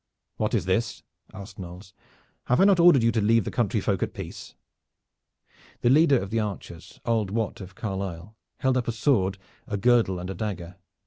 "What is this?" asked Knolles. "Have I not ordered you to leave the countryfolk at peace?" The leader of the archers, old Wat of Carlisle, held up a sword, a girdle and a dagger.